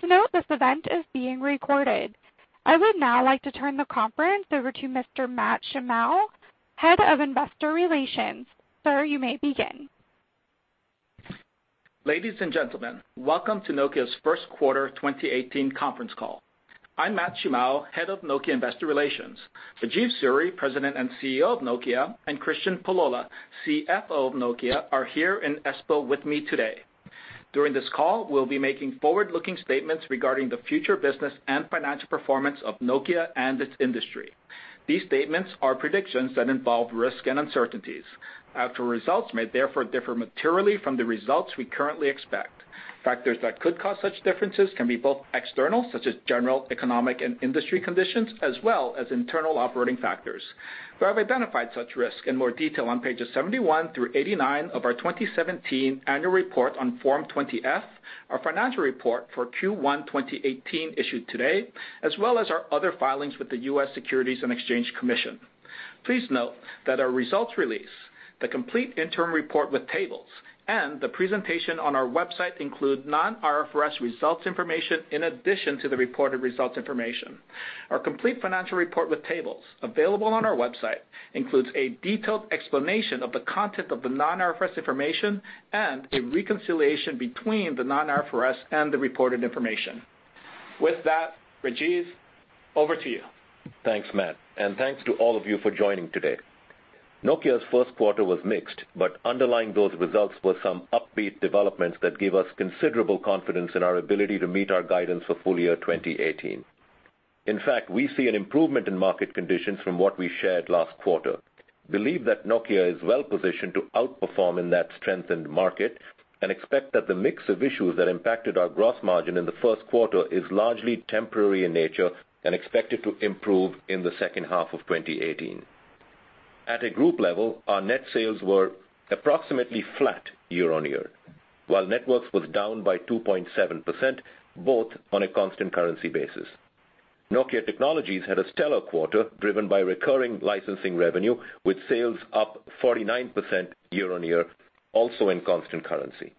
Please note this event is being recorded. I would now like to turn the conference over to Mr. Matt Shimao, Head of Investor Relations. Sir, you may begin. Ladies and gentlemen, welcome to Nokia's first quarter 2018 conference call. I'm Matt Shimao, Head of Nokia Investor Relations. Rajeev Suri, President and CEO of Nokia, and Kristian Pullola, CFO of Nokia, are here in Espoo with me today. During this call, we'll be making forward-looking statements regarding the future business and financial performance of Nokia and its industry. These statements are predictions that involve risk and uncertainties. Actual results may therefore differ materially from the results we currently expect. Factors that could cause such differences can be both external, such as general economic and industry conditions, as well as internal operating factors. We have identified such risks in more detail on pages 71 through 89 of our 2017 annual report on Form 20-F, our financial report for Q1 2018 issued today, as well as our other filings with the U.S. Securities and Exchange Commission. Please note that our results release, the complete interim report with tables, and the presentation on our website include non-IFRS results information in addition to the reported results information. Our complete financial report with tables, available on our website, includes a detailed explanation of the content of the non-IFRS information and a reconciliation between the non-IFRS and the reported information. With that, Rajeev, over to you. Thanks, Matt, and thanks to all of you for joining today. Nokia's first quarter was mixed, but underlying those results were some upbeat developments that give us considerable confidence in our ability to meet our guidance for full year 2018. In fact, we see an improvement in market conditions from what we shared last quarter, believe that Nokia is well-positioned to outperform in that strengthened market, and expect that the mix of issues that impacted our gross margin in the first quarter is largely temporary in nature and expected to improve in the second half of 2018. At a group level, our net sales were approximately flat year on year, while networks was down by 2.7%, both on a constant currency basis. Nokia Technologies had a stellar quarter driven by recurring licensing revenue, with sales up 49% year on year, also in constant currency.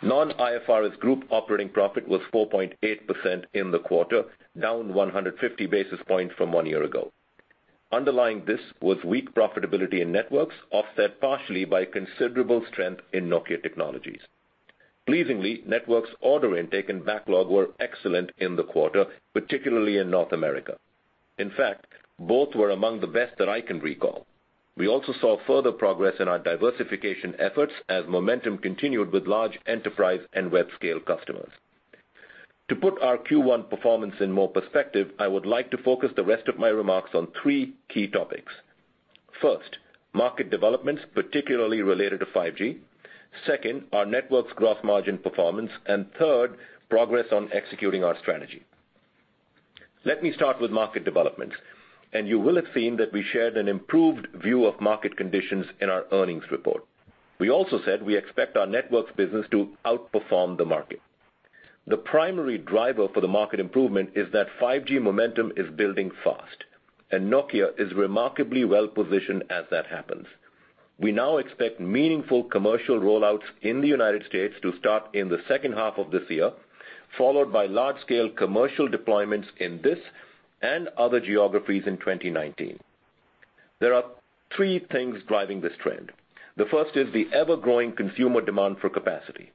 Non-IFRS group operating profit was 4.8% in the quarter, down 150 basis points from one year ago. Underlying this was weak profitability in networks, offset partially by considerable strength in Nokia Technologies. Pleasingly, networks order intake and backlog were excellent in the quarter, particularly in North America. In fact, both were among the best that I can recall. We also saw further progress in our diversification efforts as momentum continued with large enterprise and web-scale customers. To put our Q1 performance in more perspective, I would like to focus the rest of my remarks on three key topics. First, market developments, particularly related to 5G. Second, our network's gross margin performance. Third, progress on executing our strategy. Let me start with market developments, and you will have seen that we shared an improved view of market conditions in our earnings report. We also said we expect our networks business to outperform the market. The primary driver for the market improvement is that 5G momentum is building fast, and Nokia is remarkably well-positioned as that happens. We now expect meaningful commercial rollouts in the U.S. to start in the second half of this year, followed by large-scale commercial deployments in this and other geographies in 2019. There are three things driving this trend. The first is the ever-growing consumer demand for capacity.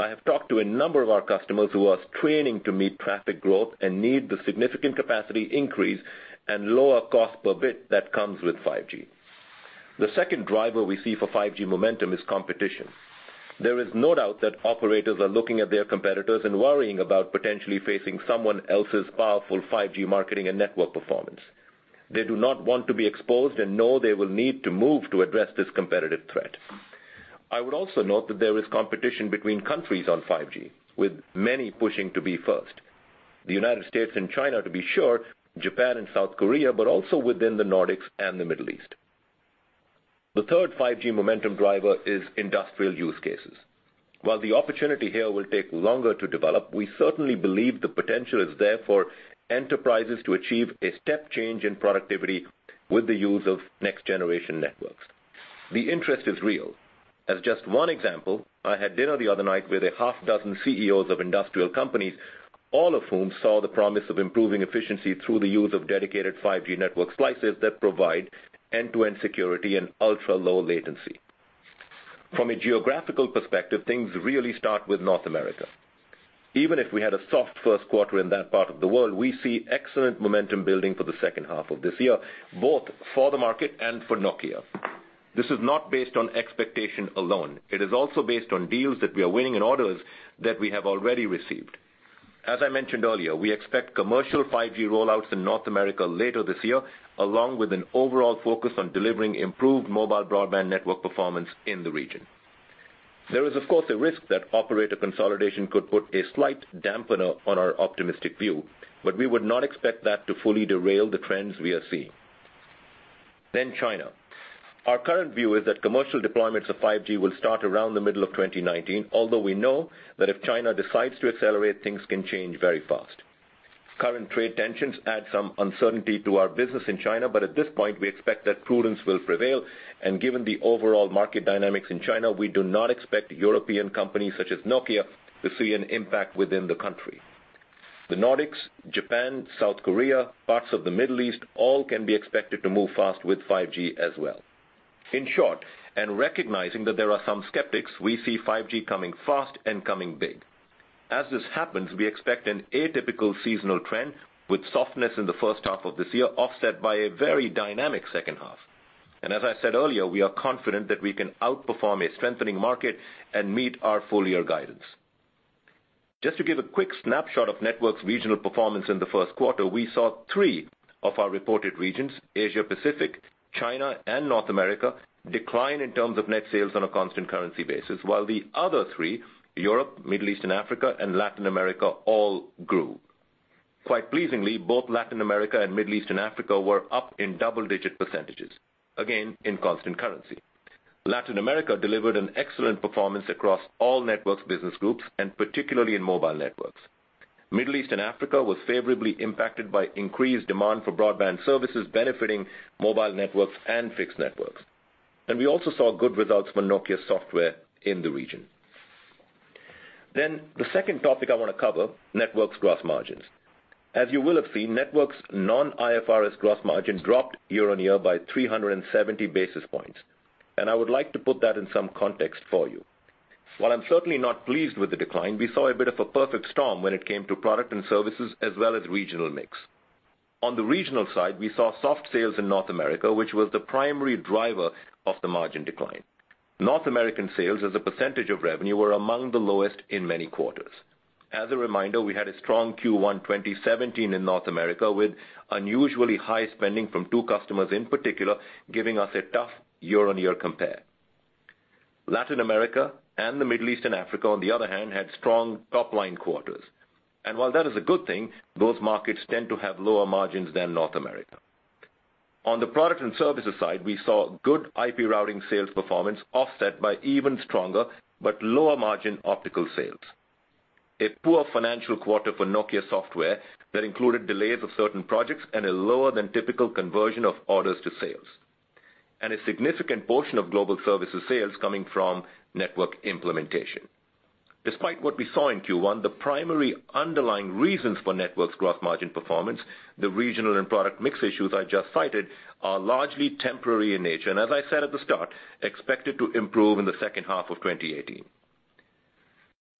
I have talked to a number of our customers who are straining to meet traffic growth and need the significant capacity increase and lower cost per bit that comes with 5G. The second driver we see for 5G momentum is competition. There is no doubt that operators are looking at their competitors and worrying about potentially facing someone else's powerful 5G marketing and network performance. They do not want to be exposed and know they will need to move to address this competitive threat. I would also note that there is competition between countries on 5G, with many pushing to be first. The U.S. and China, to be sure, Japan and South Korea, but also within the Nordics and the Middle East. The third 5G momentum driver is industrial use cases. While the opportunity here will take longer to develop, we certainly believe the potential is there for enterprises to achieve a step change in productivity with the use of next-generation networks. The interest is real. As just one example, I had dinner the other night with a half dozen CEOs of industrial companies, all of whom saw the promise of improving efficiency through the use of dedicated 5G network slices that provide end-to-end security and ultra-low latency. From a geographical perspective, things really start with North America. Even if we had a soft first quarter in that part of the world, we see excellent momentum building for the second half of this year, both for the market and for Nokia. This is not based on expectation alone. It is also based on deals that we are winning and orders that we have already received. As I mentioned earlier, we expect commercial 5G rollouts in North America later this year, along with an overall focus on delivering improved mobile broadband network performance in the region. There is, of course, a risk that operator consolidation could put a slight dampener on our optimistic view, but we would not expect that to fully derail the trends we are seeing. China. Our current view is that commercial deployments of 5G will start around the middle of 2019, although we know that if China decides to accelerate, things can change very fast. Current trade tensions add some uncertainty to our business in China, but at this point, we expect that prudence will prevail. Given the overall market dynamics in China, we do not expect European companies such as Nokia to see an impact within the country. The Nordics, Japan, South Korea, parts of the Middle East, all can be expected to move fast with 5G as well. In short, recognizing that there are some skeptics, we see 5G coming fast and coming big. As this happens, we expect an atypical seasonal trend with softness in the first half of this year, offset by a very dynamic second half. As I said earlier, we are confident that we can outperform a strengthening market and meet our full-year guidance. Just to give a quick snapshot of Networks regional performance in the first quarter, we saw three of our reported regions, Asia Pacific, China, and North America, decline in terms of net sales on a constant currency basis, while the other three, Europe, Middle East and Africa, and Latin America, all grew. Quite pleasingly, both Latin America and Middle East and Africa were up in double-digit percentages, again, in constant currency. Latin America delivered an excellent performance across all Networks business groups, and particularly in Mobile Networks. Middle East and Africa was favorably impacted by increased demand for broadband services benefiting Mobile Networks and Fixed Networks. We also saw good results for Nokia Software in the region. The second topic I want to cover, Networks gross margins. As you will have seen, Networks non-IFRS gross margin dropped year-on-year by 370 basis points. I would like to put that in some context for you. While I'm certainly not pleased with the decline, we saw a bit of a perfect storm when it came to product and services as well as regional mix. On the regional side, we saw soft sales in North America, which was the primary driver of the margin decline. North American sales as a percentage of revenue were among the lowest in many quarters. As a reminder, we had a strong Q1 2017 in North America, with unusually high spending from two customers in particular, giving us a tough year-on-year compare. Latin America and the Middle East and Africa, on the other hand, had strong top-line quarters. While that is a good thing, those markets tend to have lower margins than North America. On the product and services side, we saw good IP routing sales performance offset by even stronger but lower margin optical sales, a poor financial quarter for Nokia Software that included delays of certain projects and a lower than typical conversion of orders to sales, and a significant portion of global services sales coming from network implementation. Despite what we saw in Q1, the primary underlying reasons for Networks gross margin performance, the regional and product mix issues I just cited, are largely temporary in nature, as I said at the start, expected to improve in the second half of 2018.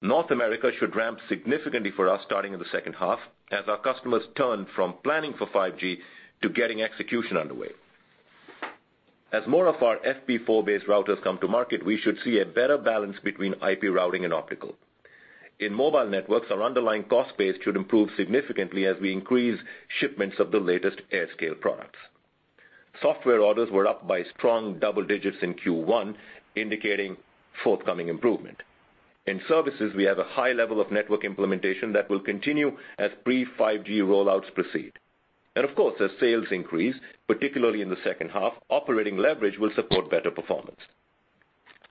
North America should ramp significantly for us starting in the second half as our customers turn from planning for 5G to getting execution underway. As more of our FP4-based routers come to market, we should see a better balance between IP routing and optical. In Mobile Networks, our underlying cost base should improve significantly as we increase shipments of the latest AirScale products. Software orders were up by strong double digits in Q1, indicating forthcoming improvement. In services, we have a high level of network implementation that will continue as pre-5G rollouts proceed. Of course, as sales increase, particularly in the second half, operating leverage will support better performance.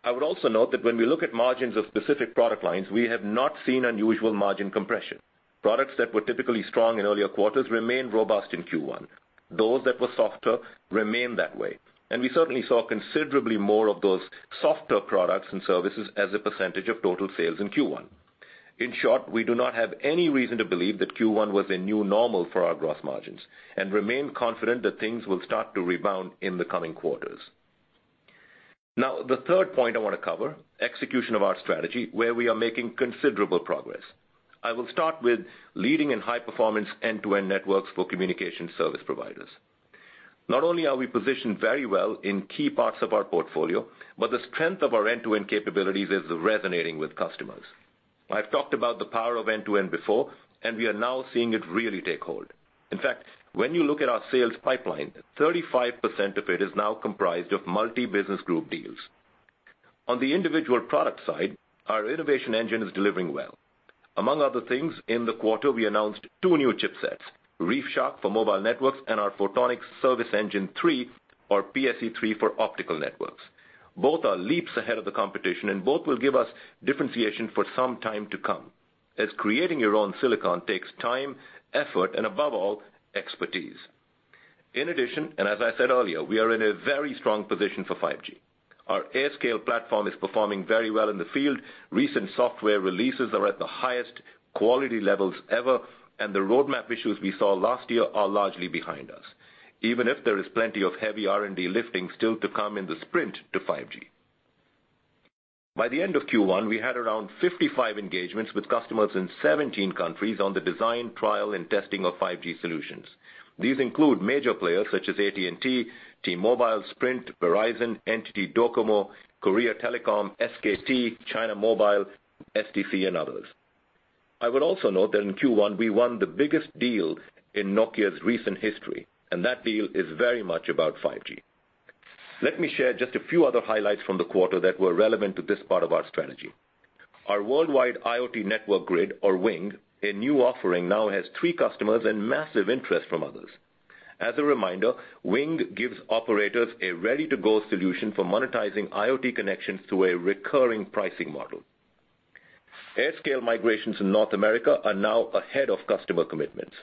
I would also note that when we look at margins of specific product lines, we have not seen unusual margin compression. Products that were typically strong in earlier quarters remained robust in Q1. Those that were softer remained that way. We certainly saw considerably more of those softer products and services as a percentage of total sales in Q1. In short, we do not have any reason to believe that Q1 was a new normal for our gross margins and remain confident that things will start to rebound in the coming quarters. The third point I want to cover, execution of our strategy, where we are making considerable progress. I will start with leading in high performance end-to-end networks for communication service providers. Not only are we positioned very well in key parts of our portfolio, but the strength of our end-to-end capabilities is resonating with customers. I've talked about the power of end-to-end before, and we are now seeing it really take hold. In fact, when you look at our sales pipeline, 35% of it is now comprised of multi-business group deals. On the individual product side, our innovation engine is delivering well. Among other things, in the quarter, we announced two new chipsets, ReefShark for Mobile Networks and our Photonic Service Engine 3, or PSE 3 for Optical Networks. Both are leaps ahead of the competition, and both will give us differentiation for some time to come, as creating your own silicon takes time, effort, and above all, expertise. As I said earlier, we are in a very strong position for 5G. Our AirScale platform is performing very well in the field. Recent software releases are at the highest quality levels ever, and the roadmap issues we saw last year are largely behind us, even if there is plenty of heavy R&D lifting still to come in the sprint to 5G. By the end of Q1, we had around 55 engagements with customers in 17 countries on the design, trial, and testing of 5G solutions. These include major players such as AT&T, T-Mobile, Sprint, Verizon, NTT Docomo, Korea Telecom, SKT, China Mobile, STC, and others. I would also note that in Q1, we won the biggest deal in Nokia's recent history, and that deal is very much about 5G. Let me share just a few other highlights from the quarter that were relevant to this part of our strategy. Our Worldwide IoT Network Grid, or WING, a new offering, now has three customers and massive interest from others. As a reminder, WING gives operators a ready-to-go solution for monetizing IoT connections through a recurring pricing model. AirScale migrations in North America are now ahead of customer commitments.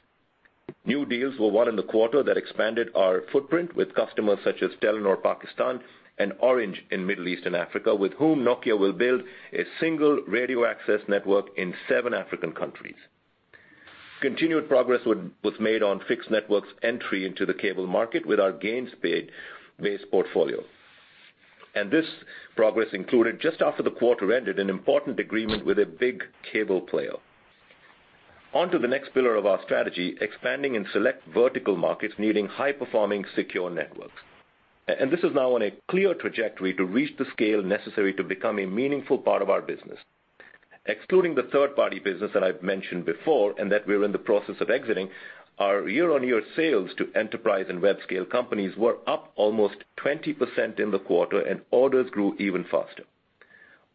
New deals were won in the quarter that expanded our footprint with customers such as Telenor Pakistan and Orange in Middle East and Africa, with whom Nokia will build a single radio access network in seven African countries. Continued progress was made on Fixed Networks' entry into the cable market with our GPON-based portfolio. This progress included, just after the quarter ended, an important agreement with a big cable player. The next pillar of our strategy, expanding in select vertical markets needing high-performing secure networks. This is now on a clear trajectory to reach the scale necessary to become a meaningful part of our business. Excluding the third-party business that I've mentioned before, and that we're in the process of exiting, our year-on-year sales to enterprise and web-scale companies were up almost 20% in the quarter, and orders grew even faster.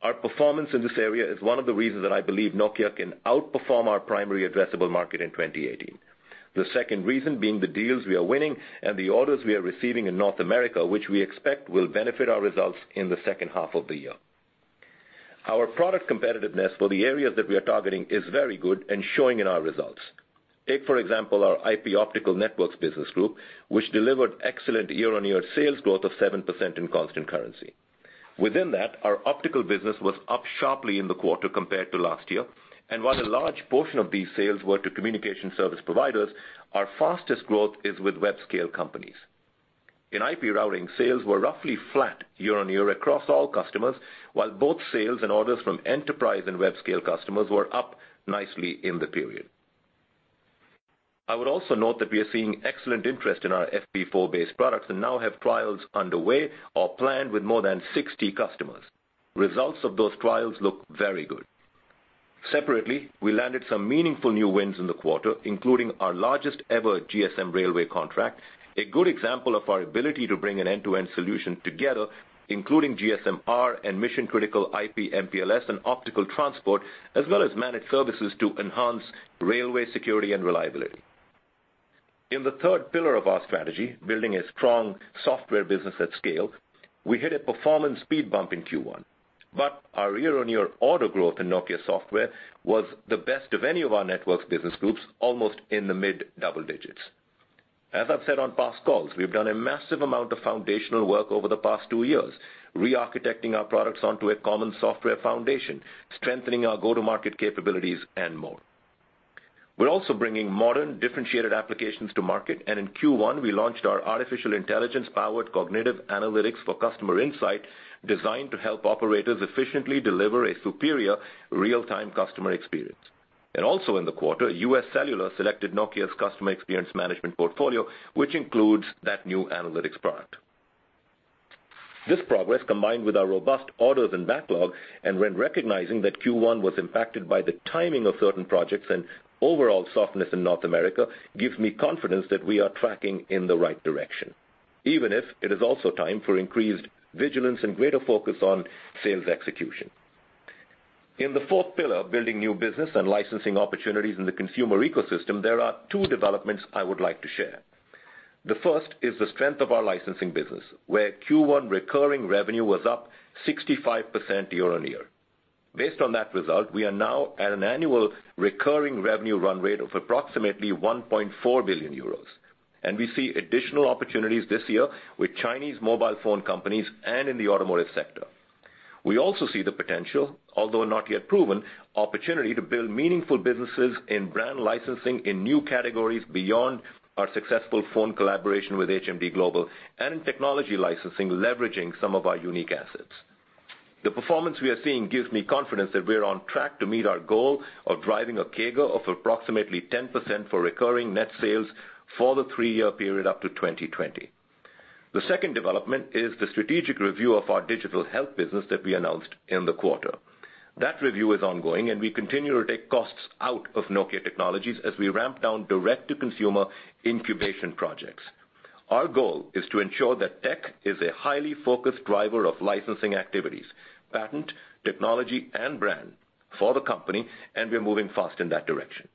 Our performance in this area is one of the reasons that I believe Nokia can outperform our primary addressable market in 2018. The second reason being the deals we are winning and the orders we are receiving in North America, which we expect will benefit our results in the second half of the year. Our product competitiveness for the areas that we are targeting is very good and showing in our results. Take, for example, our IP optical networks business group, which delivered excellent year-on-year sales growth of 7% in constant currency. Within that, our optical business was up sharply in the quarter compared to last year. While a large portion of these sales were to communication service providers, our fastest growth is with web-scale companies. In IP routing, sales were roughly flat year-on-year across all customers, while both sales and orders from enterprise and web-scale customers were up nicely in the period. I would also note that we are seeing excellent interest in our FP4-based products and now have trials underway or planned with more than 60 customers. Results of those trials look very good. Separately, we landed some meaningful new wins in the quarter, including our largest ever GSM-R railway contract, a good example of our ability to bring an end-to-end solution together, including GSM-R and mission-critical IP/MPLS and optical transport, as well as managed services to enhance railway security and reliability. In the third pillar of our strategy, building a strong software business at scale, we hit a performance speed bump in Q1. Our year-on-year order growth in Nokia Software was the best of any of our networks business groups, almost in the mid double digits. As I've said on past calls, we've done a massive amount of foundational work over the past two years, re-architecting our products onto a common software foundation, strengthening our go-to-market capabilities, and more. We're also bringing modern, differentiated applications to market, in Q1, we launched our artificial intelligence-powered cognitive analytics for customer insight, designed to help operators efficiently deliver a superior real-time customer experience. Also in the quarter, U.S. Cellular selected Nokia's customer experience management portfolio, which includes that new analytics product. This progress, combined with our robust orders and backlog, and when recognizing that Q1 was impacted by the timing of certain projects and overall softness in North America, gives me confidence that we are tracking in the right direction, even if it is also time for increased vigilance and greater focus on sales execution. In the fourth pillar, building new business and licensing opportunities in the consumer ecosystem, there are two developments I would like to share. The first is the strength of our licensing business, where Q1 recurring revenue was up 65% year-on-year. Based on that result, we are now at an annual recurring revenue run rate of approximately €1.4 billion. We see additional opportunities this year with Chinese mobile phone companies and in the automotive sector. We also see the potential, although not yet proven, opportunity to build meaningful businesses in brand licensing in new categories beyond our successful phone collaboration with HMD Global and in technology licensing, leveraging some of our unique assets. The performance we are seeing gives me confidence that we're on track to meet our goal of driving a CAGR of approximately 10% for recurring net sales for the three-year period up to 2020. The second development is the strategic review of our digital health business that we announced in the quarter. That review is ongoing, and we continue to take costs out of Nokia Technologies as we ramp down direct-to-consumer incubation projects. Our goal is to ensure that tech is a highly focused driver of licensing activities, patent, technology, and brand for the company, and we're moving fast in that direction.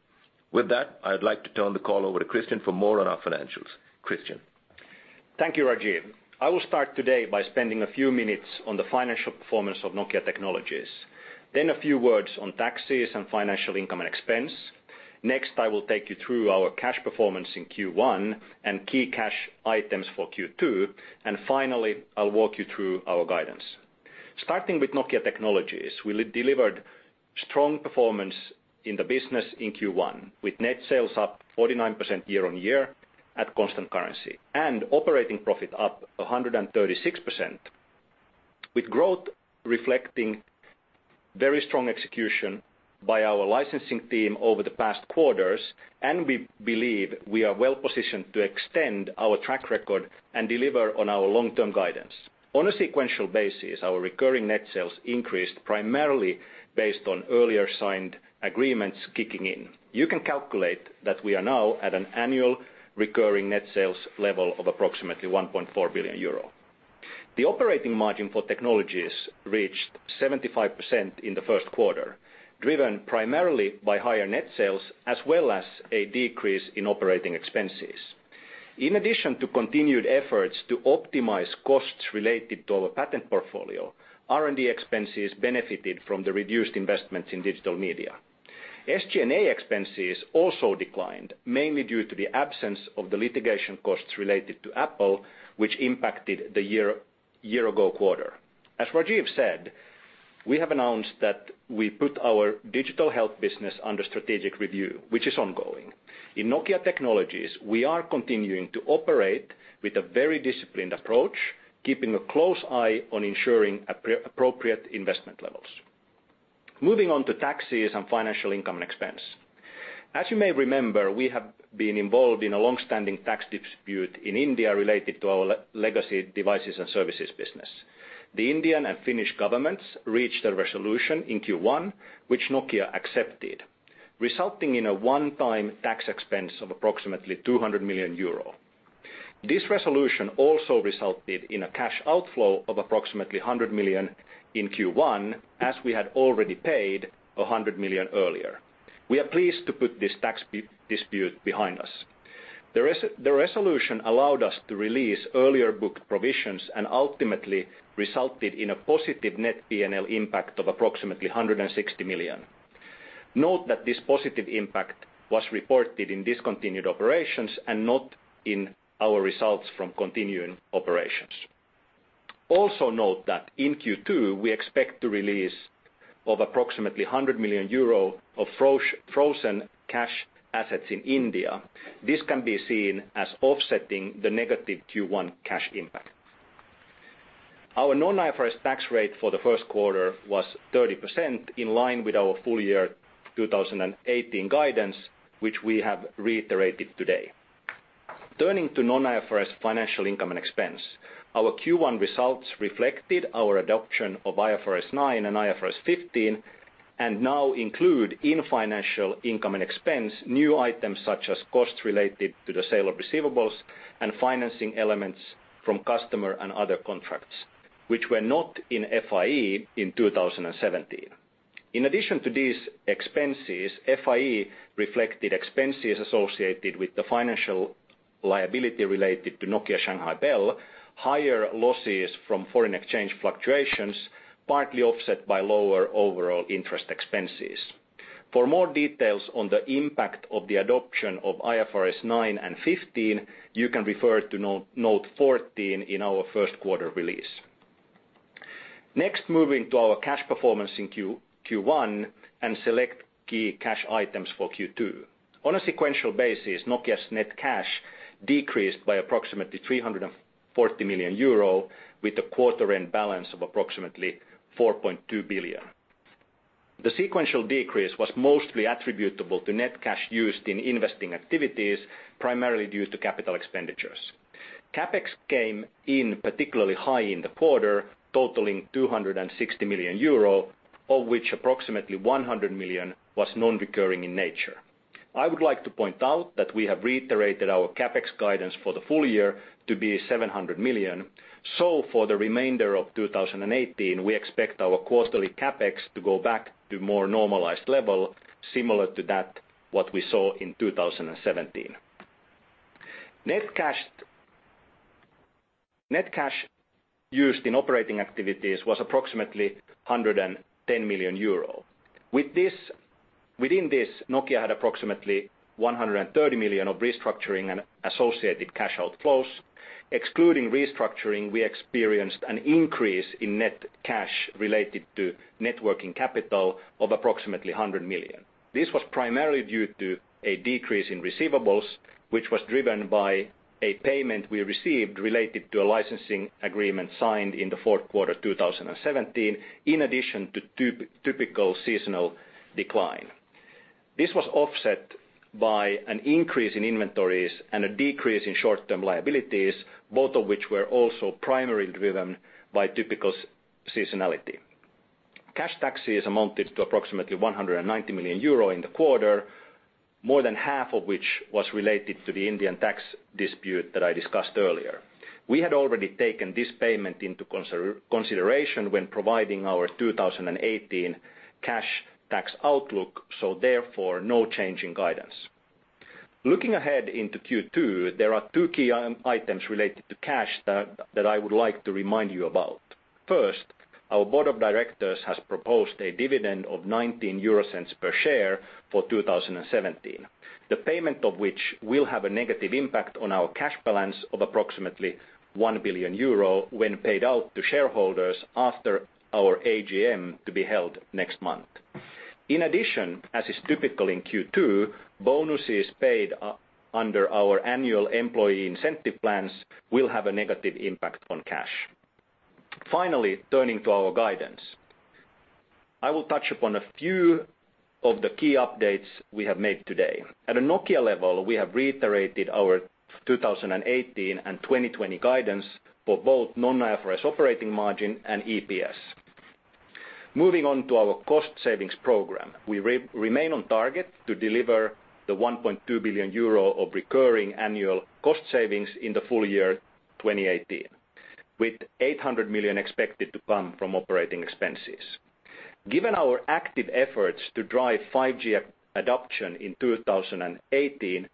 With that, I'd like to turn the call over to Kristian for more on our financials. Kristian? Thank you, Rajeev. I will start today by spending a few minutes on the financial performance of Nokia Technologies, then a few words on taxes and financial income and expense. Next, I will take you through our cash performance in Q1 and key cash items for Q2, and finally, I'll walk you through our guidance. Starting with Nokia Technologies, we delivered strong performance in the business in Q1, with net sales up 49% year-on-year at constant currency and operating profit up 136%, with growth reflecting very strong execution by our licensing team over the past quarters. We believe we are well positioned to extend our track record and deliver on our long-term guidance. On a sequential basis, our recurring net sales increased primarily based on earlier signed agreements kicking in. You can calculate that we are now at an annual recurring net sales level of approximately €1.4 billion. The operating margin for technologies reached 75% in the first quarter, driven primarily by higher net sales, as well as a decrease in operating expenses. In addition to continued efforts to optimize costs related to our patent portfolio, R&D expenses benefited from the reduced investments in digital media. SG&A expenses also declined, mainly due to the absence of the litigation costs related to Apple, which impacted the year ago quarter. As Rajeev said, we have announced that we put our digital health business under strategic review, which is ongoing. In Nokia Technologies, we are continuing to operate with a very disciplined approach, keeping a close eye on ensuring appropriate investment levels. Moving on to taxes and financial income and expense. As you may remember, we have been involved in a longstanding tax dispute in India related to our legacy devices and services business. The Indian and Finnish governments reached a resolution in Q1, which Nokia accepted, resulting in a one-time tax expense of approximately 200 million euro. This resolution also resulted in a cash outflow of approximately 100 million in Q1, as we had already paid 100 million earlier. We are pleased to put this tax dispute behind us. The resolution allowed us to release earlier booked provisions and ultimately resulted in a positive net P&L impact of approximately 160 million. Note that this positive impact was reported in discontinued operations and not in our results from continuing operations. Also note that in Q2, we expect to release of approximately 100 million euro of frozen cash assets in India. This can be seen as offsetting the negative Q1 cash impact. Our non-IFRS tax rate for the first quarter was 30%, in line with our full year 2018 guidance, which we have reiterated today. Turning to non-IFRS financial income and expense. Our Q1 results reflected our adoption of IFRS 9 and IFRS 15, and now include in financial income and expense new items such as costs related to the sale of receivables and financing elements from customer and other contracts, which were not in FIE in 2017. In addition to these expenses, FIE reflected expenses associated with the financial liability related to Nokia Shanghai Bell, higher losses from foreign exchange fluctuations, partly offset by lower overall interest expenses. For more details on the impact of the adoption of IFRS 9 and 15, you can refer to note 14 in our first quarter release. Moving to our cash performance in Q1 and select key cash items for Q2. On a sequential basis, Nokia's net cash decreased by approximately 340 million euro with a quarter end balance of approximately 4.2 billion. The sequential decrease was mostly attributable to net cash used in investing activities, primarily due to capital expenditures. CapEx came in particularly high in the quarter, totaling 260 million euro, of which approximately 100 million was non-recurring in nature. I would like to point out that we have reiterated our CapEx guidance for the full year to be 700 million. For the remainder of 2018, we expect our quarterly CapEx to go back to more normalized level, similar to that what we saw in 2017. Net cash used in operating activities was approximately 110 million euro. Within this, Nokia had approximately 130 million of restructuring and associated cash outflows. Excluding restructuring, we experienced an increase in net cash related to networking capital of approximately 100 million. This was primarily due to a decrease in receivables, which was driven by a payment we received related to a licensing agreement signed in the fourth quarter 2017, in addition to typical seasonal decline. This was offset by an increase in inventories and a decrease in short-term liabilities, both of which were also primarily driven by typical seasonality. Cash taxes amounted to approximately 190 million euro in the quarter. More than half of which was related to the Indian tax dispute that I discussed earlier. We had already taken this payment into consideration when providing our 2018 cash tax outlook, therefore, no change in guidance. Looking ahead into Q2, there are two key items related to cash that I would like to remind you about. First, our board of directors has proposed a dividend of 0.19 per share for 2017. The payment of which will have a negative impact on our cash balance of approximately 1 billion euro when paid out to shareholders after our AGM to be held next month. In addition, as is typical in Q2, bonuses paid under our annual employee incentive plans will have a negative impact on cash. Turning to our guidance. I will touch upon a few of the key updates we have made today. At a Nokia level, we have reiterated our 2018 and 2020 guidance for both non-IFRS operating margin and EPS. Moving on to our cost savings program. We remain on target to deliver the 1.2 billion euro of recurring annual cost savings in the full year 2018, with 800 million expected to come from operating expenses. Given our active efforts to drive 5G adoption in 2018,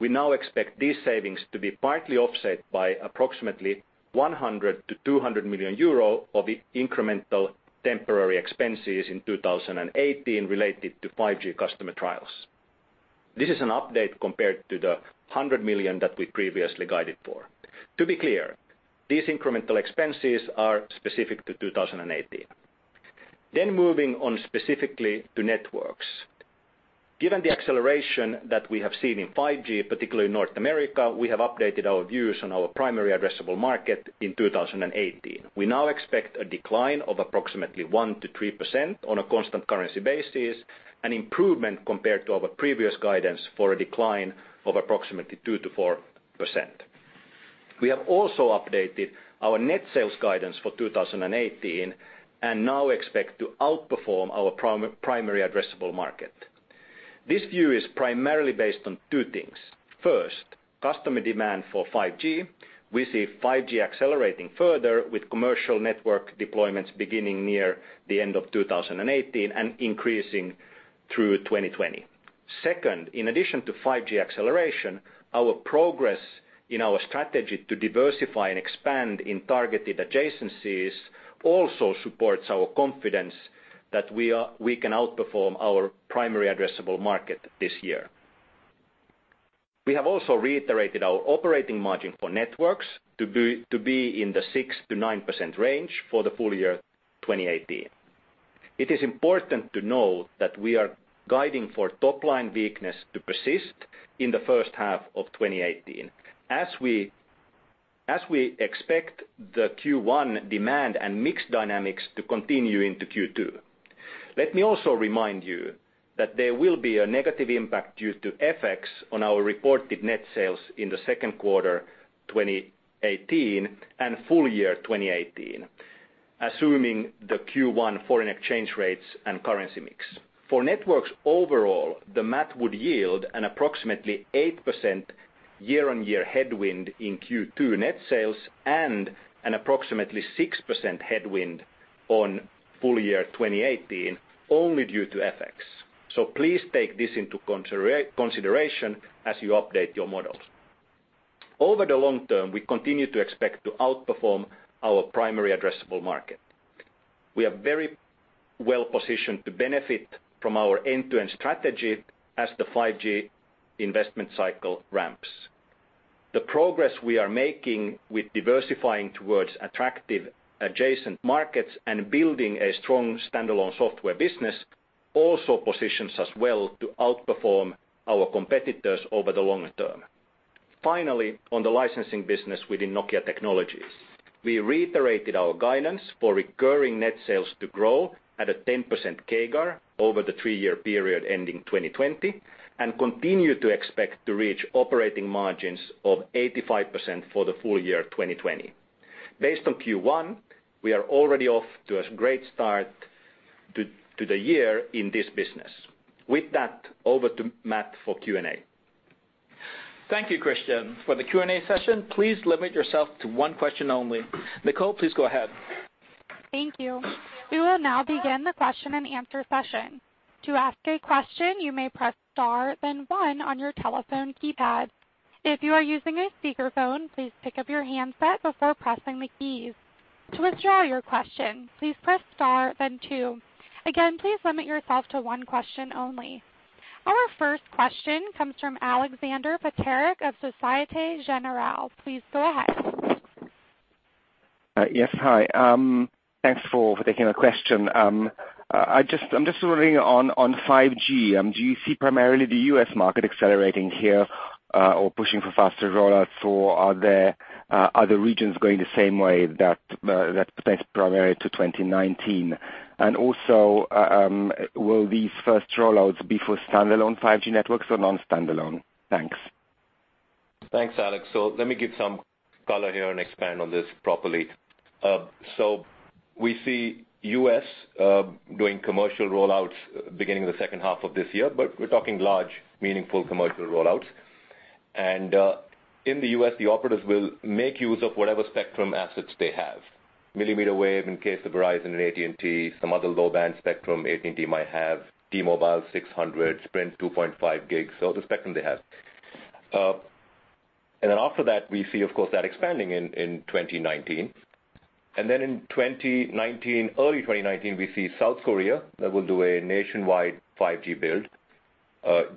we now expect these savings to be partly offset by approximately 100 million-200 million euro of incremental temporary expenses in 2018 related to 5G customer trials. This is an update compared to the 100 million that we previously guided for. To be clear, these incremental expenses are specific to 2018. Moving on specifically to networks. Given the acceleration that we have seen in 5G, particularly in North America, we have updated our views on our primary addressable market in 2018. We now expect a decline of approximately 1%-3% on a constant currency basis, an improvement compared to our previous guidance for a decline of approximately 2%-4%. We have also updated our net sales guidance for 2018 and now expect to outperform our primary addressable market. This view is primarily based on two things. First, customer demand for 5G. We see 5G accelerating further with commercial network deployments beginning near the end of 2018 and increasing through 2020. Second, in addition to 5G acceleration, our progress in our strategy to diversify and expand in targeted adjacencies also supports our confidence that we can outperform our primary addressable market this year. We have also reiterated our operating margin for networks to be in the 6%-9% range for the full year 2018. It is important to note that we are guiding for top-line weakness to persist in the first half of 2018. As we expect the Q1 demand and mix dynamics to continue into Q2. Let me also remind you that there will be a negative impact due to FX on our reported net sales in the second quarter 2018 and full year 2018, assuming the Q1 foreign exchange rates and currency mix. For networks overall, the math would yield an approximately 8% year-over-year headwind in Q2 net sales and an approximately 6% headwind on full year 2018 only due to FX. Please take this into consideration as you update your models. Over the long term, we continue to expect to outperform our primary addressable market. We are very well positioned to benefit from our end-to-end strategy as the 5G investment cycle ramps. The progress we are making with diversifying towards attractive adjacent markets and building a strong standalone software business also positions us well to outperform our competitors over the long term. On the licensing business within Nokia Technologies, we reiterated our guidance for recurring net sales to grow at a 10% CAGR over the three-year period ending 2020 and continue to expect to reach operating margins of 85% for the full year 2020. Based on Q1, we are already off to a great start to the year in this business. With that, over to Matt for Q&A. Thank you, Kristian. For the Q&A session, please limit yourself to one question only. Nicole, please go ahead. Thank you. We will now begin the question and answer session. To ask a question, you may press star, then one on your telephone keypad. If you are using a speakerphone, please pick up your handset before pressing the keys. To withdraw your question, please press star, then two. Again, please limit yourself to one question only. Our first question comes from Alexander Peterc of Societe Generale. Please go ahead. Yes, hi. Thanks for taking the question. I'm just wondering on 5G, do you see primarily the U.S. market accelerating here, or pushing for faster rollouts? Are the regions going the same way that potentially is primary to 2019? Also, will these first rollouts be for standalone 5G networks or non-standalone? Thanks. Thanks, Alex. Let me give some color here and expand on this properly. We see U.S. doing commercial rollouts beginning the second half of this year, but we're talking large, meaningful commercial rollouts. In the U.S., the operatives will make use of whatever spectrum assets they have. Millimeter wave in case of Verizon and AT&T, some other low-band spectrum AT&T might have. T-Mobile, 600. Sprint, 2.5 gigs. The spectrum they have. After that, we see, of course, that expanding in 2019. In early 2019, we see South Korea that will do a nationwide 5G build.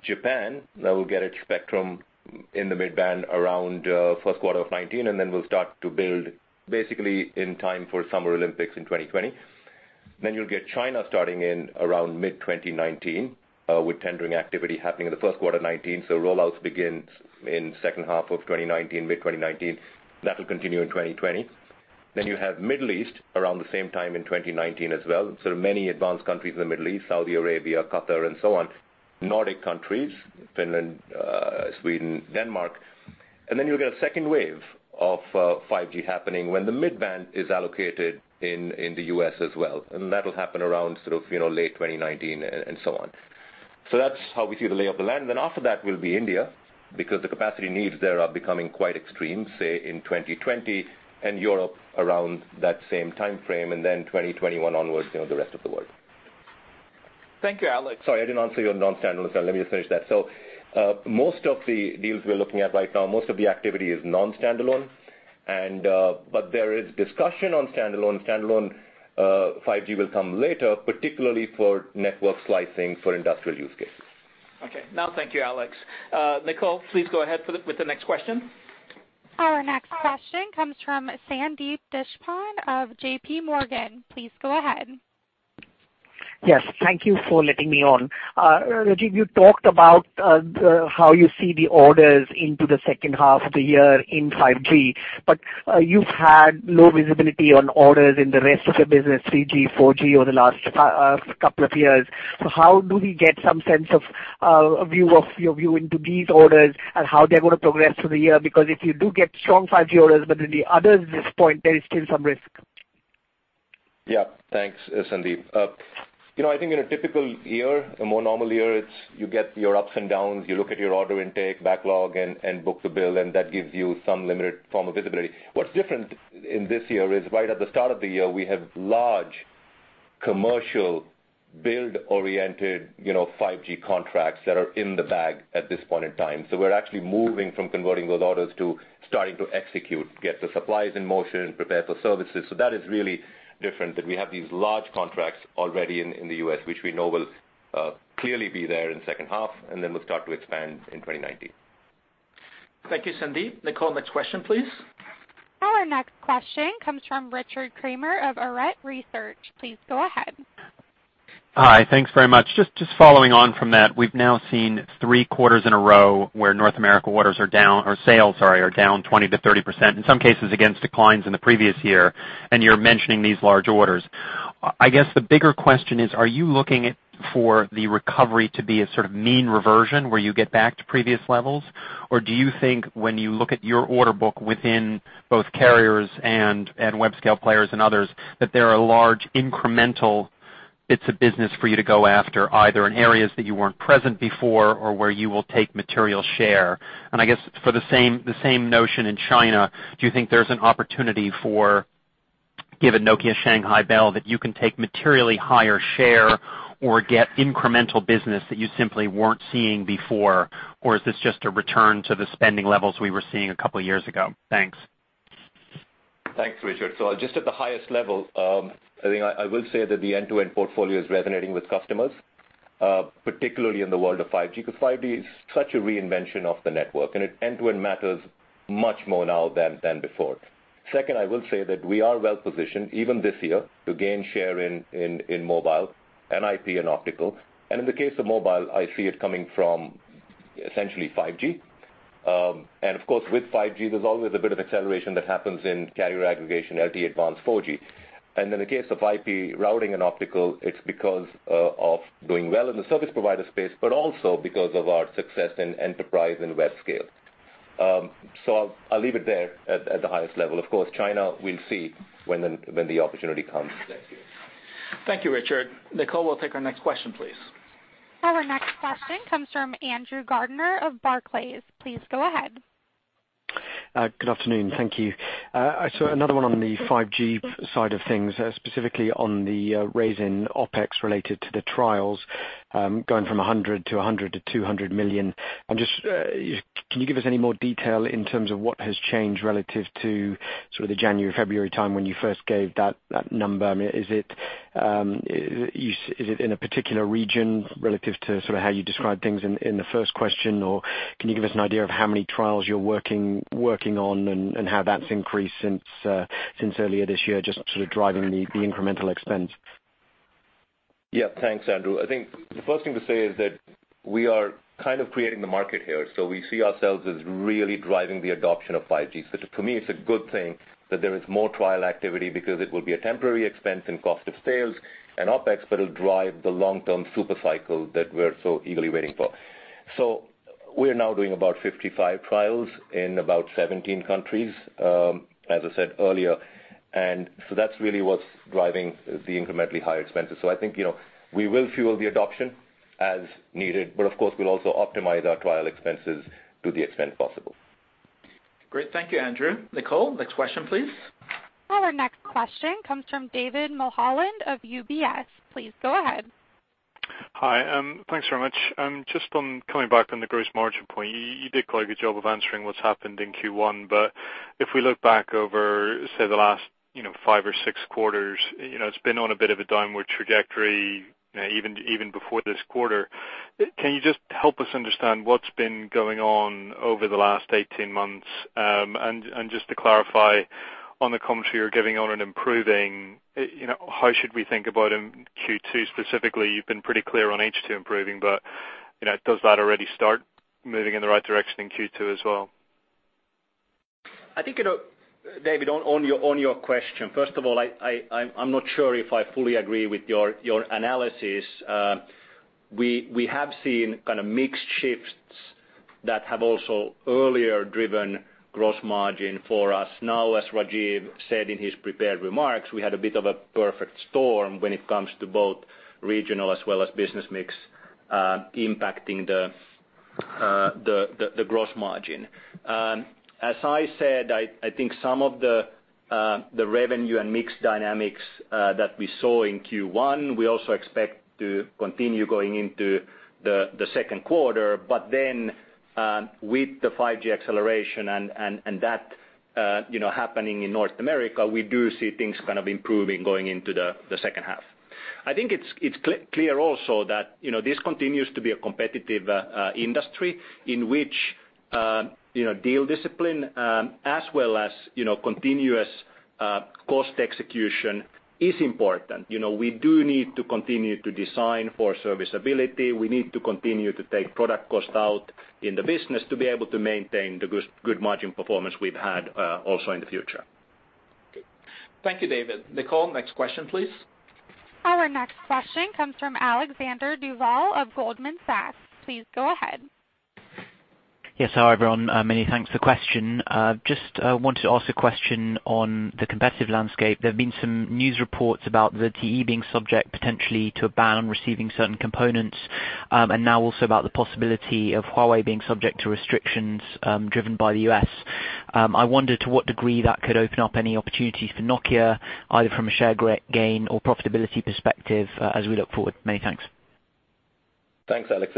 Japan that will get its spectrum in the mid-band around first quarter of 2019, and will start to build basically in time for Summer Olympics in 2020. You'll get China starting in around mid-2019, with tendering activity happening in the first quarter 2019. Rollouts begins in second half of 2019, mid-2019. That will continue in 2020. You have Middle East around the same time in 2019 as well. Many advanced countries in the Middle East, Saudi Arabia, Qatar and so on. Nordic countries, Finland, Sweden, Denmark. You'll get a second wave of 5G happening when the mid-band is allocated in the U.S. as well. That'll happen around late 2019 and so on. That's how we see the lay of the land. After that will be India, because the capacity needs there are becoming quite extreme, say, in 2020, and Europe around that same timeframe, and 2021 onwards, the rest of the world. Thank you, Alex. Sorry, I didn't answer your non-standalone. Let me just finish that. Most of the deals we're looking at right now, most of the activity is non-standalone. There is discussion on standalone. Standalone 5G will come later, particularly for network slicing for industrial use cases. Okay. No, thank you, Alex. Nicole, please go ahead with the next question. Our next question comes from Sandeep Deshpande of J.P. Morgan. Please go ahead. Yes, thank you for letting me on. Rajeev, you talked about how you see the orders into the second half of the year in 5G, but you've had low visibility on orders in the rest of your business, 3G, 4G, over the last couple of years. How do we get some sense of your view into these orders and how they're going to progress through the year? If you do get strong 5G orders, but in the others at this point, there is still some risk. Thanks, Sandeep. I think in a typical year, a more normal year, you get your ups and downs, you look at your order intake backlog and book-to-bill, and that gives you some limited form of visibility. What's different in this year is right at the start of the year, we have large commercial build-oriented 5G contracts that are in the bag at this point in time. We're actually moving from converting those orders to starting to execute, get the supplies in motion, prepare for services. That is really different, that we have these large contracts already in the U.S., which we know will clearly be there in the second half, and then we'll start to expand in 2019. Thank you, Sandeep. Nicole, next question, please. Our next question comes from Richard Kramer of Arete Research. Please go ahead. Hi. Thanks very much. Just following on from that, we've now seen three quarters in a row where North America orders are down, or sales, sorry, are down 20%-30%, in some cases against declines in the previous year, and you're mentioning these large orders. I guess the bigger question is, are you looking for the recovery to be a sort of mean reversion where you get back to previous levels? Or do you think when you look at your order book within both carriers and web-scale players and others, that there are large incremental bits of business for you to go after, either in areas that you weren't present before or where you will take material share? I guess for the same notion in China, do you think there's an opportunity for, given Nokia Shanghai Bell, that you can take materially higher share or get incremental business that you simply weren't seeing before? Or is this just a return to the spending levels we were seeing a couple of years ago? Thanks. Thanks, Richard. Just at the highest level, I think I will say that the end-to-end portfolio is resonating with customers, particularly in the world of 5G, because 5G is such a reinvention of the network, and end-to-end matters much more now than before. Second, I will say that we are well-positioned, even this year, to gain share in mobile, IP, and optical. In the case of mobile, I see it coming from essentially 5G. Of course, with 5G, there's always a bit of acceleration that happens in carrier aggregation, LTE Advanced, 4G. In the case of IP routing and optical, it's because of doing well in the service provider space, but also because of our success in enterprise and web scale. I'll leave it there at the highest level. Of course, China, we'll see when the opportunity comes. Thank you. Thank you, Richard. Nicole, we'll take our next question, please. Our next question comes from Andrew Gardiner of Barclays. Please go ahead. Good afternoon. Thank you. Another one on the 5G side of things, specifically on the raise in OpEx related to the trials, going from 100 million to 200 million. Can you give us any more detail in terms of what has changed relative to the January, February time when you first gave that number? Is it in a particular region relative to how you described things in the first question, or can you give us an idea of how many trials you're working on and how that's increased since earlier this year, just sort of driving the incremental expense? Yeah. Thanks, Andrew. I think the first thing to say is that we are kind of creating the market here. We see ourselves as really driving the adoption of 5G. To me, it's a good thing that there is more trial activity because it'll be a temporary expense in cost of sales and OpEx, but it'll drive the long-term super cycle that we're so eagerly waiting for. We're now doing about 55 trials in about 17 countries, as I said earlier. That's really what's driving the incrementally higher expenses. I think we will fuel the adoption as needed, but of course, we'll also optimize our trial expenses to the extent possible. Great. Thank you, Andrew. Nicole, next question, please. Our next question comes from David Mulholland of UBS. Please go ahead. Hi. Thanks very much. Just on coming back on the gross margin point, you did quite a good job of answering what's happened in Q1. If we look back over, say, the last five or six quarters, it's been on a bit of a downward trajectory even before this quarter. Can you just help us understand what's been going on over the last 18 months? Just to clarify, on the commentary you're giving on an improving, how should we think about in Q2 specifically? You've been pretty clear on H2 improving, does that already start moving in the right direction in Q2 as well? David, on your question, first of all, I'm not sure if I fully agree with your analysis. We have seen kind of mixed shifts that have also earlier driven gross margin for us. As Rajeev said in his prepared remarks, we had a bit of a perfect storm when it comes to both regional as well as business mix impacting the gross margin. As I said, I think some of the revenue and mix dynamics that we saw in Q1, we also expect to continue going into the second quarter. With the 5G acceleration and that happening in North America, we do see things kind of improving going into the second half. I think it's clear also that this continues to be a competitive industry in which deal discipline as well as continuous cost execution is important. We do need to continue to design for serviceability. We need to continue to take product cost out in the business to be able to maintain the good margin performance we've had also in the future. Thank you, David. Nicole, next question, please. Our next question comes from Alexander Duval of Goldman Sachs. Please go ahead. Yes. Hi, everyone. Many thanks for the question. Just wanted to ask a question on the competitive landscape. There have been some news reports about ZTE being subject potentially to a ban on receiving certain components, and now also about the possibility of Huawei being subject to restrictions driven by the U.S. I wonder to what degree that could open up any opportunities for Nokia, either from a share gain or profitability perspective as we look forward. Many thanks. Thanks, Alex.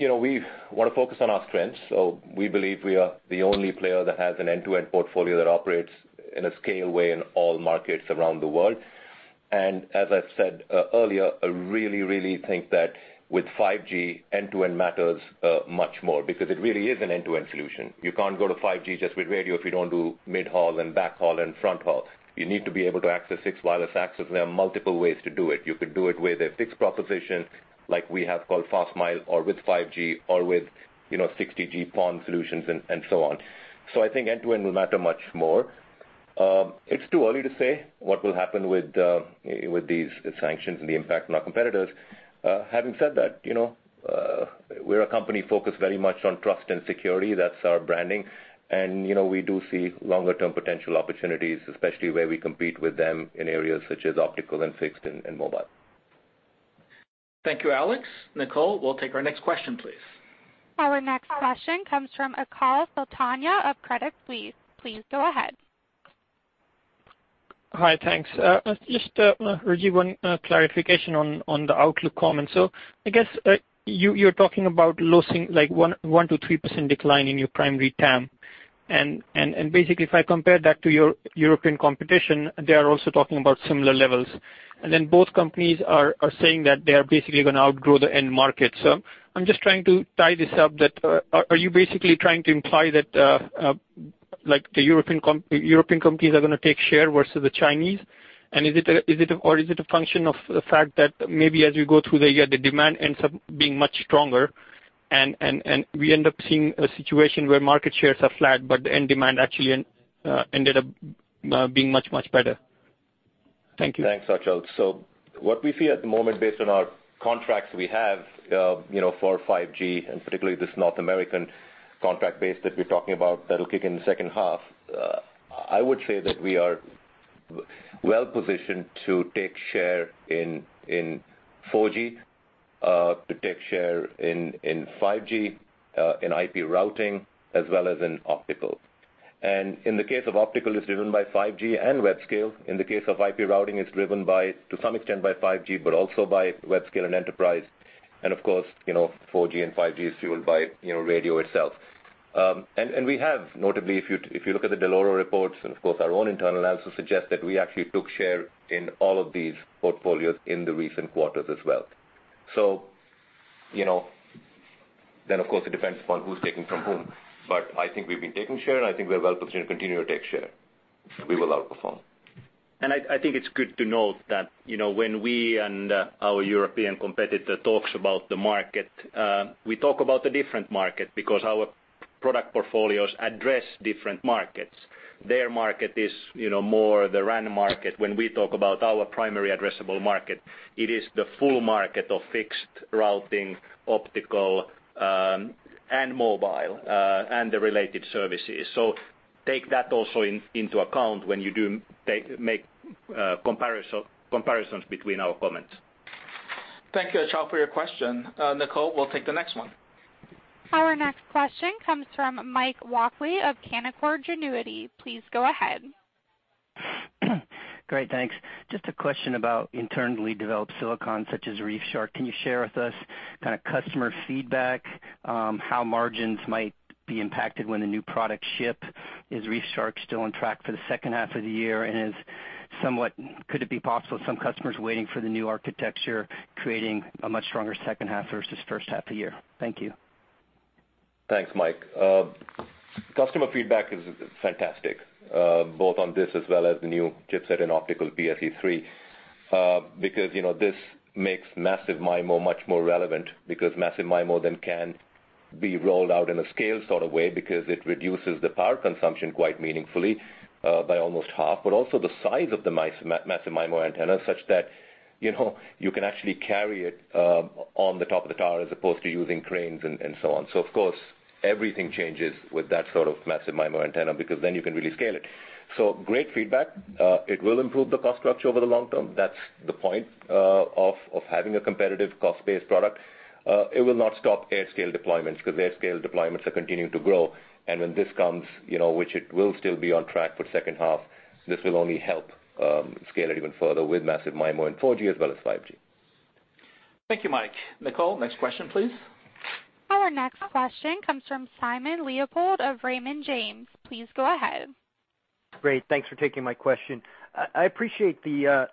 We want to focus on our strengths. We believe we are the only player that has an end-to-end portfolio that operates in a scale way in all markets around the world. As I've said earlier, I really, really think that with 5G, end-to-end matters much more because it really is an end-to-end solution. You can't go to 5G just with radio if you don't do midhaul and backhaul and fronthaul. You need to be able to access fixed wireless access. There are multiple ways to do it. You could do it with a fixed proposition like we have called FastMile or with 5G or with XG-PON solutions and so on. I think end-to-end will matter much more. It's too early to say what will happen with these sanctions and the impact on our competitors. Having said that, we're a company focused very much on trust and security. That's our branding. We do see longer-term potential opportunities, especially where we compete with them in areas such as optical and fixed and mobile. Thank you, Alex. Nicole, we'll take our next question, please. Our next question comes from Achal Sultania of Credit Suisse. Please go ahead. Hi, thanks. Rajeev, one clarification on the outlook comment. I guess you're talking about losing like 1%-3% decline in your primary TAM. If I compare that to your European competition, they are also talking about similar levels. Both companies are saying that they are basically going to outgrow the end market. I'm just trying to tie this up that are you basically trying to imply that the European companies are going to take share versus the Chinese? Or is it a function of the fact that maybe as we go through the year, the demand ends up being much stronger and we end up seeing a situation where market shares are flat, but the end demand actually ended up being much, much better? Thank you. Thanks, Achal. What we see at the moment based on our contracts we have for 5G, and particularly this North American contract base that we're talking about that'll kick in the second half, I would say that we are well-positioned to take share in 4G, to take share in 5G, in IP routing, as well as in optical. In the case of optical, it's driven by 5G and web scale. In the case of IP routing, it's driven to some extent by 5G, but also by web scale and enterprise. Of course, 4G and 5G is fueled by radio itself. We have, notably, if you look at the Dell'Oro reports and, of course, our own internal analysis suggests that we actually took share in all of these portfolios in the recent quarters as well. Of course, it depends upon who's taking from whom. I think we've been taking share, and I think we're well-positioned to continue to take share. We will outperform. I think it's good to note that when we and our European competitor talks about the market, we talk about a different market because our product portfolios address different markets. Their market is more the RAN market. When we talk about our primary addressable market, it is the full market of fixed routing, optical, and mobile, and the related services. Take that also into account when you do make comparisons between our comments. Thank you, Achal, for your question. Nicole, we'll take the next one. Our next question comes from Mike Walkley of Canaccord Genuity. Please go ahead. Great, thanks. Just a question about internally developed silicon such as ReefShark. Can you share with us kind of customer feedback, how margins might be impacted when the new products ship? Is ReefShark still on track for the second half of the year? Could it be possible some customers waiting for the new architecture, creating a much stronger second half versus first half of the year? Thank you. Thanks, Mike. Customer feedback is fantastic, both on this as well as the new chipset and optical PSE-3. This makes massive MIMO much more relevant because massive MIMO then can be rolled out in a scale sort of way because it reduces the power consumption quite meaningfully, by almost half, but also the size of the massive MIMO antenna, such that you can actually carry it on the top of the tower as opposed to using cranes and so on. Of course, everything changes with that sort of massive MIMO antenna, because then you can really scale it. Great feedback. It will improve the cost structure over the long term. That's the point of having a competitive cost-based product. It will not stop AirScale deployments because AirScale deployments are continuing to grow. When this comes, which it will still be on track for the second half, this will only help scale it even further with massive MIMO in 4G as well as 5G. Thank you, Mike. Nicole, next question, please. Our next question comes from Simon Leopold of Raymond James. Please go ahead. Great. Thanks for taking my question. I appreciate the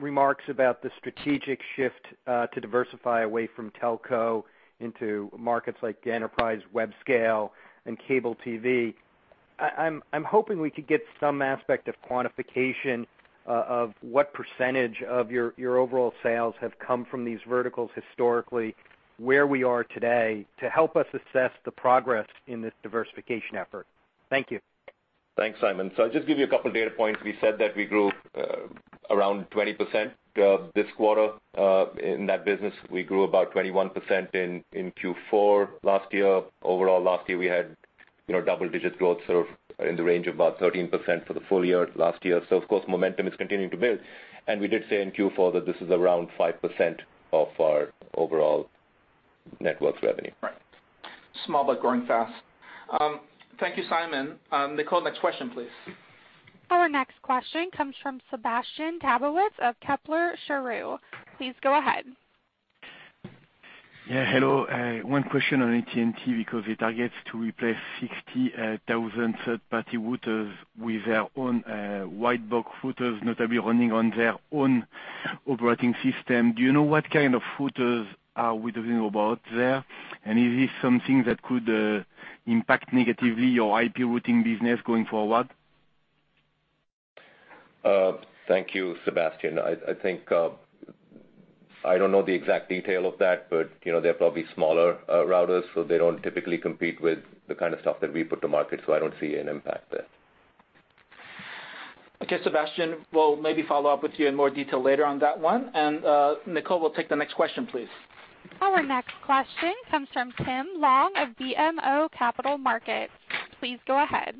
remarks about the strategic shift to diversify away from telco into markets like enterprise, web scale, and cable TV. I'm hoping we could get some aspect of quantification of what percentage of your overall sales have come from these verticals historically, where we are today, to help us assess the progress in this diversification effort. Thank you. Thanks, Simon. I'll just give you a couple data points. We said that we grew around 20% this quarter. In that business, we grew about 21% in Q4 last year. Overall last year, we had double-digit growth, sort of in the range of about 13% for the full year last year. Of course, momentum is continuing to build. We did say in Q4 that this is around 5% of our overall networks revenue. Right. Small, but growing fast. Thank you, Simon. Nicole, next question, please. Our next question comes from Sébastien Sztabowicz of Kepler Cheuvreux. Please go ahead. Yeah, hello. One question on AT&T, because it targets to replace 60,000 third-party routers with their own white box routers, notably running on their own operating system. Do you know what kind of routers are we talking about there? Is this something that could impact negatively your IP routing business going forward? Thank you, Sébastien. I think I don't know the exact detail of that, but they're probably smaller routers, they don't typically compete with the kind of stuff that we put to market. I don't see an impact there. Okay, Sébastien, we'll maybe follow up with you in more detail later on that one. Nicole, we'll take the next question, please. Our next question comes from Tim Long of BMO Capital Markets. Please go ahead.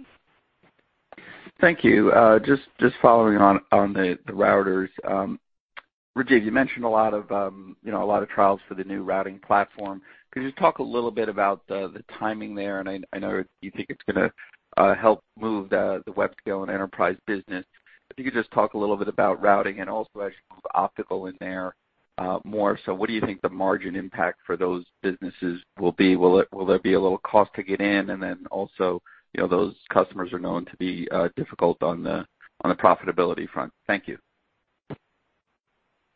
Thank you. Just following on the routers. Rajeev, you mentioned a lot of trials for the new routing platform. Could you talk a little bit about the timing there? I know you think it's going to help move the web scale and enterprise business. If you could just talk a little bit about routing and also as you move optical in there more so, what do you think the margin impact for those businesses will be? Will there be a little cost to get in? Then also, those customers are known to be difficult on the profitability front. Thank you.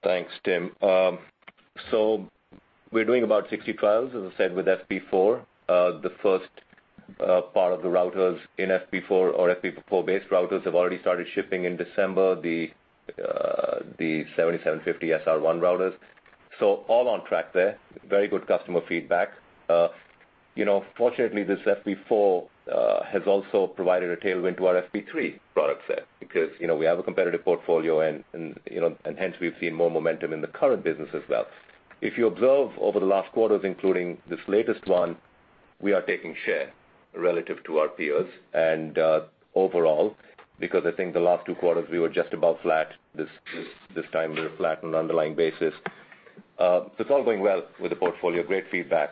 Thanks, Tim. We're doing about 60 trials, as I said, with FP4. The first part of the routers in FP4 or FP4-based routers have already started shipping in December, the 7750 SR-1 routers. All on track there. Very good customer feedback. Fortunately, this FP4 has also provided a tailwind to our FP3 product set because we have a competitive portfolio and hence we've seen more momentum in the current business as well. If you observe over the last quarters, including this latest one, we are taking share relative to our peers and overall, because I think the last two quarters, we were just about flat. This time we were flat on an underlying basis. It's all going well with the portfolio. Great feedback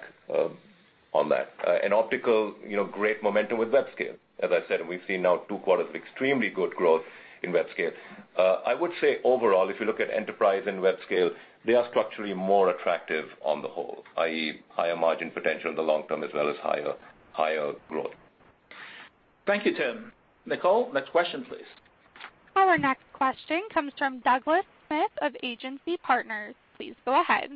on that. In optical, great momentum with web scale. As I said, we've seen now two quarters of extremely good growth in web scale. I would say overall, if you look at enterprise and web scale, they are structurally more attractive on the whole, i.e. higher margin potential in the long term as well as higher growth. Thank you, Tim. Nicole, next question, please. Our next question comes from Douglas Smith of Agency Partners. Please go ahead.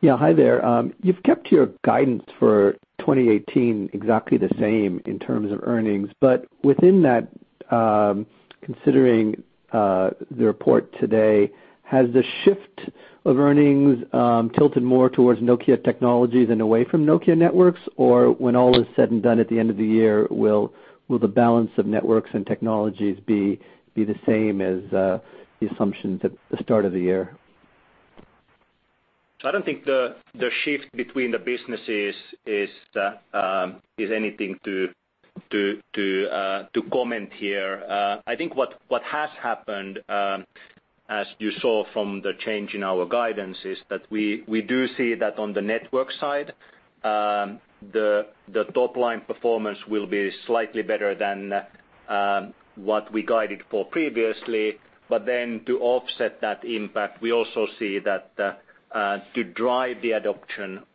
Yeah, hi there. You've kept your guidance for 2018 exactly the same in terms of earnings. Within that, considering the report today, has the shift of earnings tilted more towards Nokia Technologies and away from Nokia Networks? When all is said and done at the end of the year, will the balance of Networks and Technologies be the same as the assumptions at the start of the year? I don't think the shift between the businesses is anything to comment here. I think what has happened, as you saw from the change in our guidance, is that we do see that on the network side, the top-line performance will be slightly better than what we guided for previously. To offset that impact, we also see that to drive the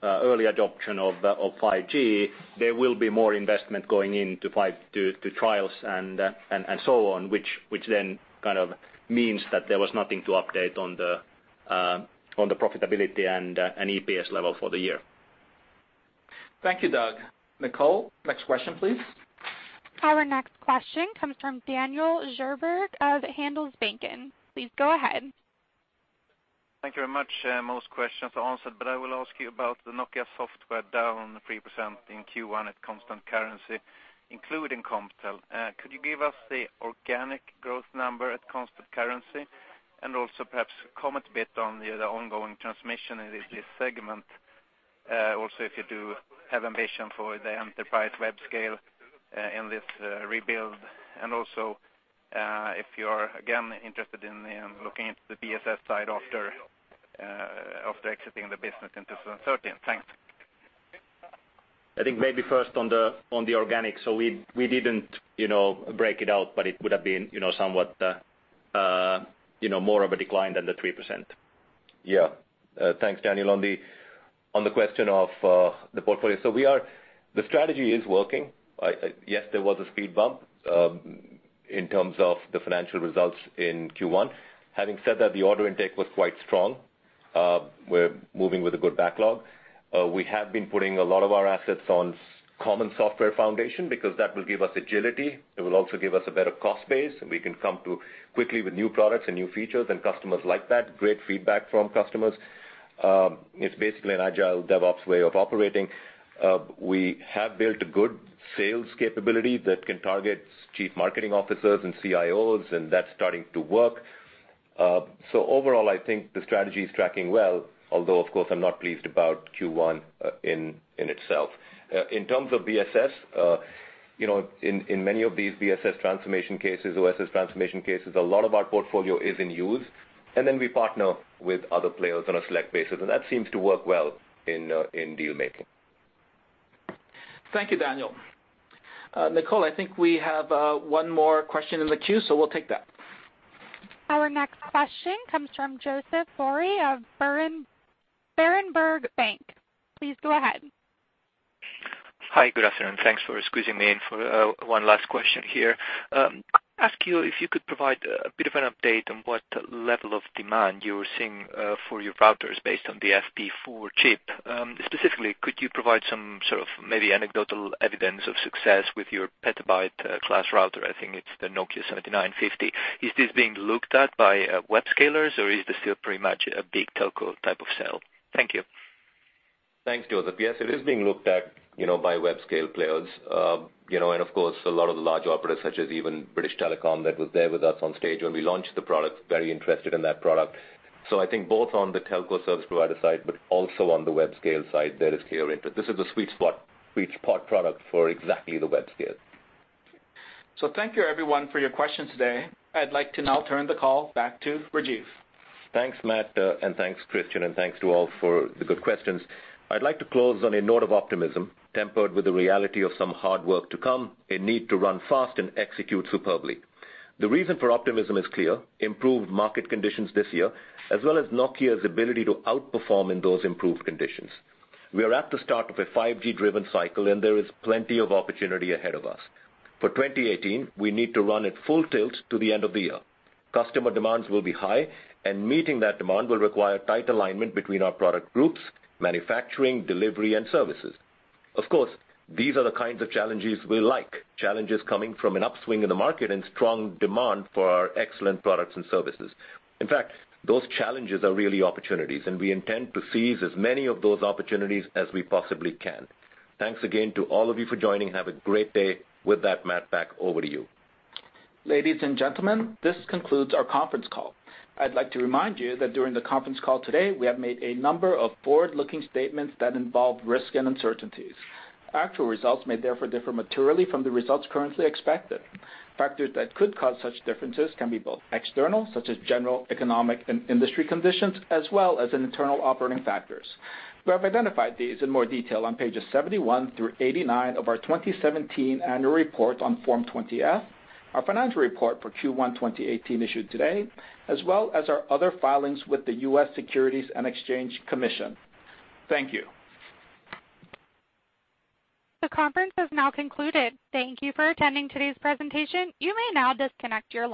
early adoption of 5G, there will be more investment going into trials and so on, which then kind of means that there was nothing to update on the profitability and EPS level for the year. Thank you, Doug. Nicole, next question, please. Our next question comes from Daniel Djurberg of Handelsbanken. Please go ahead. Thank you very much. Most questions are answered, but I will ask you about the Nokia Software down 3% in Q1 at constant currency, including Comptel. Could you give us the organic growth number at constant currency? Perhaps comment a bit on the ongoing transformation in this segment. If you do have ambition for the enterprise web scale in this rebuild, if you are again interested in looking at the BSS side after exiting the business in 2012. Thanks. I think maybe first on the organic. We didn't break it out, but it would have been somewhat more of a decline than the 3%. Thanks, Daniel. On the question of the portfolio. The strategy is working. Yes, there was a speed bump in terms of the financial results in Q1. Having said that, the order intake was quite strong. We're moving with a good backlog. We have been putting a lot of our assets on common software foundation because that will give us agility. It will also give us a better cost base, and we can come to quickly with new products and new features, and customers like that. Great feedback from customers. It's basically an agile DevOps way of operating. We have built a good sales capability that can target chief marketing officers and CIOs, that's starting to work. Overall, I think the strategy is tracking well, although of course I'm not pleased about Q1 in itself. In terms of BSS, in many of these BSS transformation cases, OSS transformation cases, a lot of our portfolio is in use. We partner with other players on a select basis, that seems to work well in deal making. Thank you, Daniel. Nicole, I think we have one more question in the queue. We'll take that. Our next question comes from Joseph Corey of Berenberg Bank. Please go ahead. Hi. Good afternoon. Thanks for squeezing me in for one last question here. Ask you if you could provide a bit of an update on what level of demand you're seeing for your routers based on the FP4 chip. Specifically, could you provide some sort of maybe anecdotal evidence of success with your petabyte class router? I think it's the Nokia 7950. Is this being looked at by web scalers or is this still pretty much a big telco type of sale? Thank you. Thanks, Joseph. Yes, it is being looked at by web scale players. Of course, a lot of the large operators, such as even British Telecom that was there with us on stage when we launched the product, very interested in that product. I think both on the telco service provider side, but also on the web scale side, there is clear interest. This is a sweet spot product for exactly the web scale. Thank you everyone for your questions today. I'd like to now turn the call back to Rajeev. Thanks, Matt, and thanks Kristian, and thanks to all for the good questions. I'd like to close on a note of optimism, tempered with the reality of some hard work to come, a need to run fast and execute superbly. The reason for optimism is clear: improved market conditions this year, as well as Nokia's ability to outperform in those improved conditions. We are at the start of a 5G-driven cycle and there is plenty of opportunity ahead of us. For 2018, we need to run at full tilt to the end of the year. Customer demands will be high, and meeting that demand will require tight alignment between our product groups, manufacturing, delivery, and services. Of course, these are the kinds of challenges we like, challenges coming from an upswing in the market and strong demand for our excellent products and services. In fact, those challenges are really opportunities, and we intend to seize as many of those opportunities as we possibly can. Thanks again to all of you for joining. Have a great day. With that, Matt, back over to you. Ladies and gentlemen, this concludes our conference call. I'd like to remind you that during the conference call today, we have made a number of forward-looking statements that involve risk and uncertainties. Actual results may therefore differ materially from the results currently expected. Factors that could cause such differences can be both external, such as general economic and industry conditions, as well as internal operating factors. We have identified these in more detail on pages 71 through 89 of our 2017 annual report on Form 20-F, our financial report for Q1 2018 issued today, as well as our other filings with the U.S. Securities and Exchange Commission. Thank you. The conference has now concluded. Thank you for attending today's presentation. You may now disconnect your line.